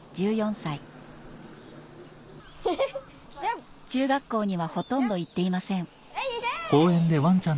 １４歳中学校にはほとんど行っていません